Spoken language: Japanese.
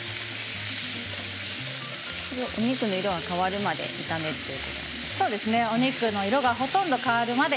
お肉の色が変わるまで炒めるんですね。